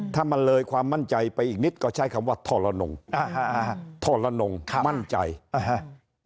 ถ้ามันเลยความมั่นใจไปอีกนิดก็ใช้คำว่าทรนงอ่าฮะอ่าฮะทรนงมั่นใจอ่าฮะ